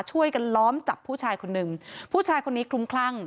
ช่วยกันล้อมจับผู้ชายคนหนึ่งผู้ชายคนนี้คลุ้มคลั่ง